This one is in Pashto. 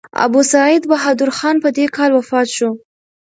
ابوسعید بهادر خان په دې کال وفات شو.